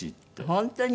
本当に？